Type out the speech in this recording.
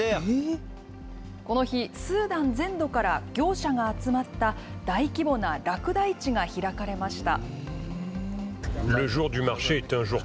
この日、スーダン全土から業者が集まった大規模なラクダ市が開かれました。